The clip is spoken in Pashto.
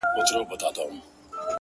د بدرنگ رهبر نظر کي را ايسار دی!!